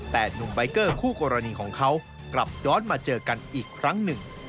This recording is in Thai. แต่หนุ่มใบเกอร์คู่กรณีของเขากลับย้อนมาเจอกันอีกครั้งหนึ่ง